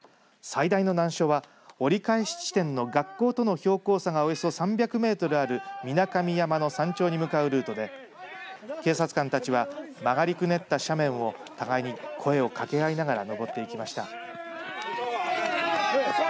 最大の難所は折り返し地点の学校との標高差がおよそ３００メートルある皆神山の山頂に向かうルートで警察官たちは曲がりくねった斜面を互いに声をかけあいながらのぼっていきました。